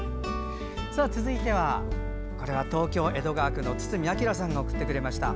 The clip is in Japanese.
続いては東京都江戸川区の堤昭さんが送ってくれました。